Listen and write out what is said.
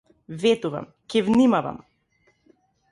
Ветувам, ќе внимавам!